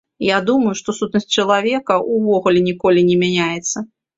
Я думаю, што сутнасць чалавека ўвогуле ніколі не мяняецца.